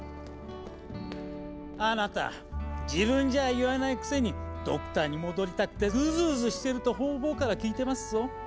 あなた自分じゃ言わないくせにドクターに戻りたくてうずうずしてると方々から聞いてますぞ。